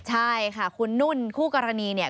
ใช่ค่ะคุณนุ่นคู่กรณี